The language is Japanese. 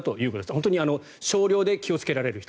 本当に少量で気をつけられる人。